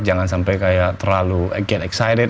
jangan sampai kayak terlalu again excited